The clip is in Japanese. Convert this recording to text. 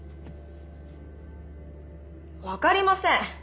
分かりません。